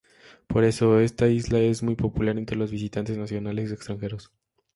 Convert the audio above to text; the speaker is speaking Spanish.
Por eso, esta isla es muy popular entre los visitantes nacionales y extranjeros.